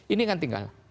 ini kan tinggal